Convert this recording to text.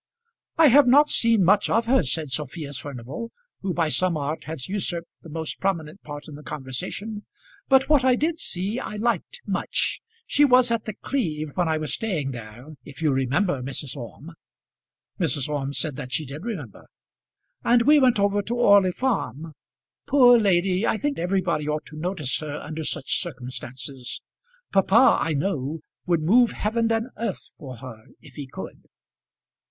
"I have not seen much of her," said Sophia Furnival, who by some art had usurped the most prominent part in the conversation, "but what I did see I liked much. She was at The Cleeve when I was staying there, if you remember, Mrs. Orme." Mrs. Orme said that she did remember. "And we went over to Orley Farm. Poor lady! I think everybody ought to notice her under such circumstances. Papa, I know, would move heaven and earth for her if he could."